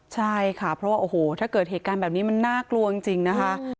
ใช่ค่ะถ้าเกิดเหตุการณ์แบบนี้มันน่ากลัวจริงนะคะ